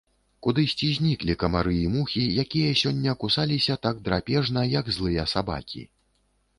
Кудысьці зніклі камары і мухі, якія сёння кусаліся так драпежна, як злыя сабакі.